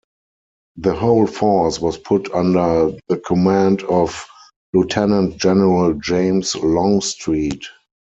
The whole force was put under the command of Lieutenant General James Longstreet.